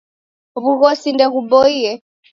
W'ughosi ndeguboie.